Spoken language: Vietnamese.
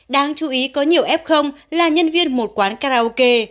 đáng chú ý có nhiều f là nhân viên một quán karaoke